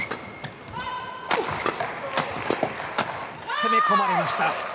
攻め込まれました。